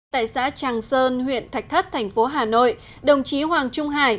tại xã tràng sơn huyện thạch thất thành phố hà nội đồng chí hoàng trung hải